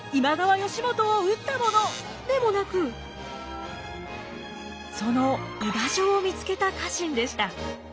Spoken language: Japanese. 義元を討った者でもなくその居場所を見つけた家臣でした。